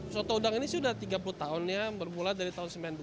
soto udang ini sudah tiga puluh tahunnya berbual dari tahun sembilan puluh dua